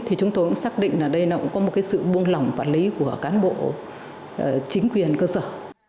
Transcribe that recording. thì chúng tôi cũng xác định là đây là một sự buông lỏng quản lý của cán bộ chính quyền cơ sở